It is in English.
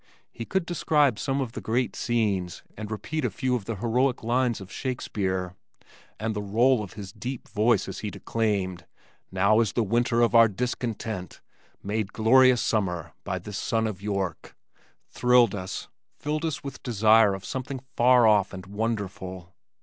He could describe some of the great scenes and repeat a few of the heroic lines of Shakespeare, and the roll of his deep voice as he declaimed, "Now is the winter of our discontent made glorious summer by this son of York," thrilled us filled us with desire of something far off and wonderful.